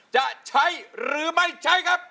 จะใช้หรือไม่ใช้ครับ